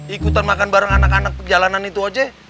ikutan makan bareng anak anak perjalanan itu aja